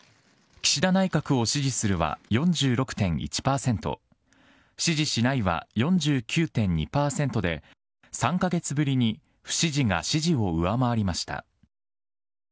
岸田内閣を支持するは４６．１％、支持しないは４９．２％で、３か月ぶりに不支持が支持を上回りました。